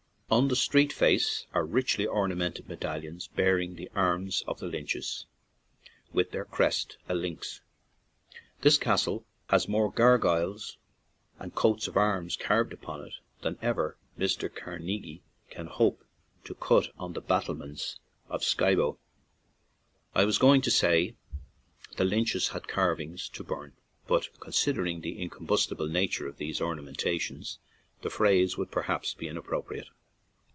On the street face are richly ornamented medallions bearing the arms of the Lynches, with their crest, a lynx. This castle has more gargoyles and coats of arms carved upon it than ever Mr. Carnegie can hope to cut on the battlements of Skiebo. I was going to say, the Lynches had carv ings "to burn/' but, considering the in combustible nature of these ornamen tations, the phrase would perhaps be inappropriate.